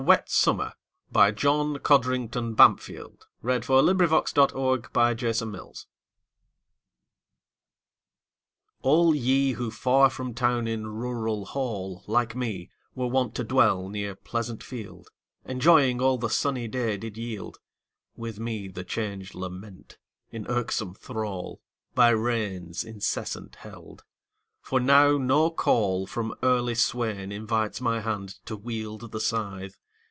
E F . G H . I J . K L . M N . O P . Q R . S T . U V . W X . Y Z Sonnet on a Wet Summer ALL ye who far from town in rural hall, Like me, were wont to dwell near pleasant field, Enjoying all the sunny day did yield, With me the change lament, in irksome thrall, By rains incessant held; for now no call From early swain invites my hand to wield The scythe.